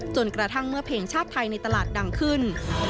กระทั่งเมื่อเพลงชาติไทยในตลาดดังขึ้น